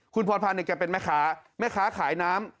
คุณพรพันธ์เนี่ยแกเป็นแม่ค้าแม่ค้าขายน้ำ